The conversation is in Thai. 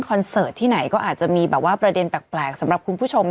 เสิร์ตที่ไหนก็อาจจะมีแบบว่าประเด็นแปลกสำหรับคุณผู้ชม